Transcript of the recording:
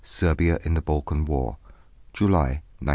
XIV SERBIA IN THE BALKAN WAR _July, 1915.